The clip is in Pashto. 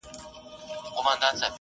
زه کولای سم لوبه وکړم!!